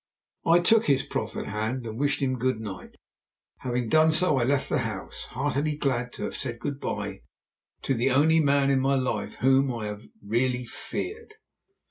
I took his proffered hand, and wished him good night. Having done so, I left the house, heartily glad to have said good bye to the only man in my life whom I have really feared.